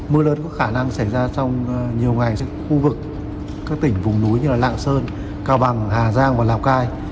mưa lớn có khả năng xảy ra trong nhiều ngày trên khu vực các tỉnh vùng núi như là lạng sơn cao bằng hà giang và lào cai